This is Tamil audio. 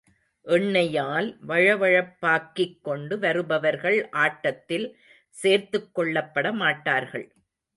எண்ணெயால் வழவழப்பாக்கிக்கொண்டு வருபவர்கள் ஆட்டத்தில் சேர்த்துக் கொள்ளப்பட மாட்டார்கள்.